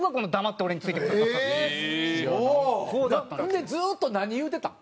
でずっと何言うてたん？